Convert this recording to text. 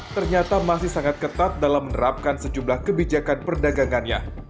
ternyata masih sangat ketat dalam menerapkan sejumlah kebijakan perdagangannya